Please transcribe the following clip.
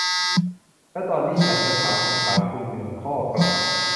และตอนนี้ฉันจะถามคำถามคุณหนึ่งข้อกลับ